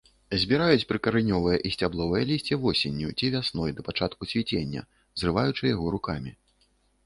Збіраюць прыкаранёвае і сцябловае лісце восенню ці вясной, да пачатку цвіцення, зрываючы яго рукамі.